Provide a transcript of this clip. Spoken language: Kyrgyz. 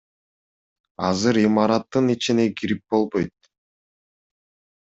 Азыр имараттын ичине кирип болбойт.